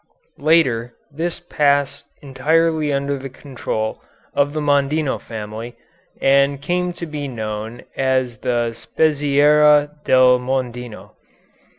Later this passed entirely under the control of the Mondino family, and came to be known as the Spezieria del Mondino.